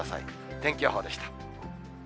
天気予報でした。